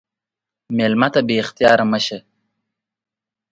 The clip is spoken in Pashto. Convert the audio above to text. مېلمه ته بې اختیاره مه شه.